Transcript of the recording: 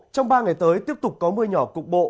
trong ba ngày tới tiếp tục có mưa nhỏ cục bộ